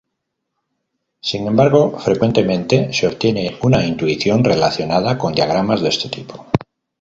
Sin embargo, frecuentemente se obtiene una intuición relacionada con diagramas de este tipo.